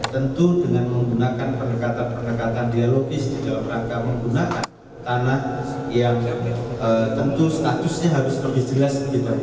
tentu dengan menggunakan pendekatan pendekatan dialogis di dalam rangka menggunakan tanah yang tentu statusnya harus lebih jelas